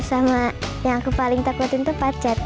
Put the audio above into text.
sama yang aku paling takutin itu pacat